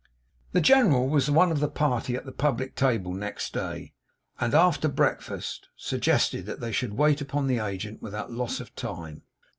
The General was one of the party at the public table next day, and after breakfast suggested that they should wait upon the agent without loss of time.